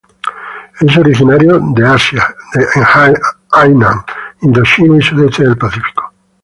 Es originario de Asia en Hainan, Indochina y sudoeste del Pacífico.